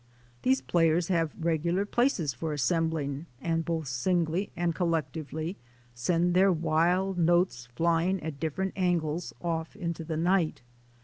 These players have regular places for assembling and both singly and collectively send their wild notes flying at dif ferent angles off into the night.